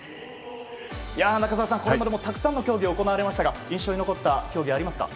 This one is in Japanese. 中澤さん、これまでたくさんの競技行われましたが印象に残った競技はありましたか？